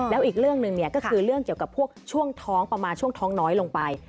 แล้วอีกเรื่องหนึ่งก็คือเรื่องเกี่ยวกับพวกช่วงท้องประมาณช่วงท้องน้อยลงไป